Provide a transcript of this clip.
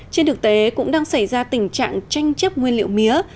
trên thực tế cũng đang xảy ra tình trạng tranh chấp nguyên liệu mía